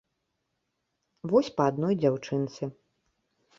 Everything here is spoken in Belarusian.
Вось па адной дзяўчынцы.